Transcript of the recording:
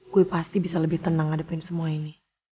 gue pasti bisa lebih tenang ngadepin semua ini